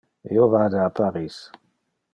Io vade a Paris.